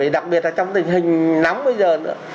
đặc biệt trong tình hình nóng bây giờ